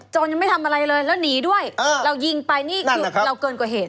ยังไม่ทำอะไรเลยแล้วหนีด้วยเรายิงไปนี่คือเราเกินกว่าเหตุ